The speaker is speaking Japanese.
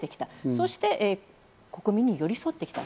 そして国民に寄り添ってきた。